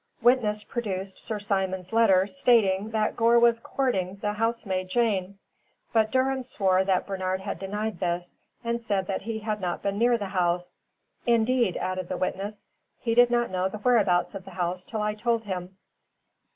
Witness produced Sir Simon's letter stating that Gore was courting the housemaid Jane. But Durham swore that Bernard had denied this, and said that he had not been near the house. "Indeed," added the witness, "he did not know the whereabouts of the house till I told him."